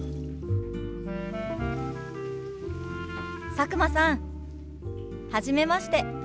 佐久間さんはじめまして。